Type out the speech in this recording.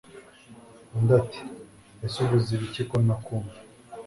Undi ati ese uvuze biki ko ntakumva